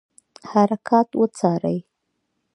حرکات وڅاري.